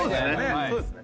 そうですね。